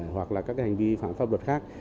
hoặc là các hành vi phản pháp luật khác